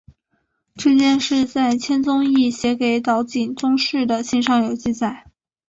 这件事在千宗易写给岛井宗室的信上有记载。